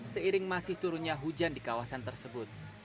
tetapi tidak ada hujan di kawasan tersebut